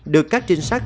được các trinh sát